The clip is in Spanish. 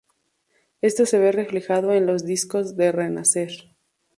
Esto se ve reflejado en los discos de Renacer.